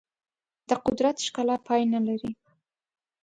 د قدرت ښکلا پای نه لري.